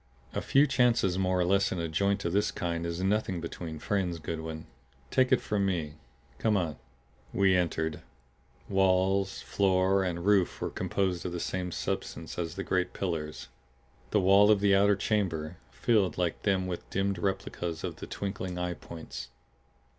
"A few chances more or less in a joint of this kind is nothing between friends, Goodwin; take it from me. Come on." We entered. Walls, floor and roof were composed of the same substance as the great pillars, the wall of the outer chamber; filled like them with dimmed replicas of the twinkling eye points.